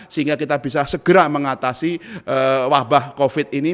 sehingga kita bisa segera mengatasi wabah covid ini